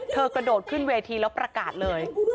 กระโดดขึ้นเวทีแล้วประกาศเลย